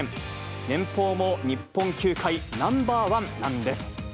年俸も日本球界ナンバー１なんです。